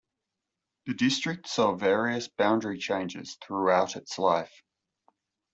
The district saw various boundary changes throughout its life.